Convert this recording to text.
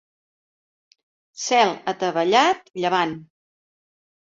Cel atavellat, llevant.